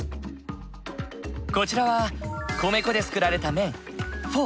こちらは米粉で作られた麺フォー。